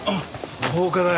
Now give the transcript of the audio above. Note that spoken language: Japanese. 放火だよ！